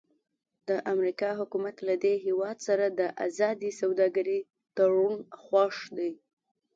د امریکا حکومت له دې هېواد سره د ازادې سوداګرۍ تړون خوښ دی.